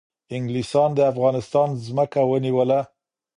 انگلیسان د افغانستان ځمکه ونیوله